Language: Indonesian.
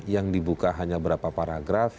yang dibuka hanya berapa paragraf